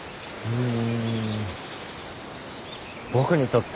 うん。